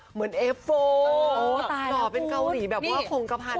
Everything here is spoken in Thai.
เหมือนเอฟโฟโอ้วตายแล้วพูดหล่อเป็นเกาหลีแบบว่าคงกระพันมาก